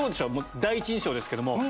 第一印象ですけども。